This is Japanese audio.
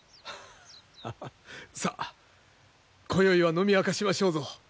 ハハッさあこよいは飲み明かしましょうぞ。